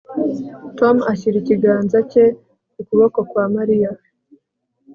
Tom ashyira ikiganza cye ku kuboko kwa Mariya